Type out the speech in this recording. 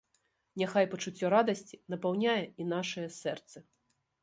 Няхай пачуццё радасці напаўняе і нашыя сэрцы.